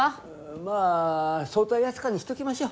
まあ早退扱いにしときましょう。